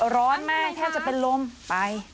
ร้อนมากแทบจะเป็นลมไป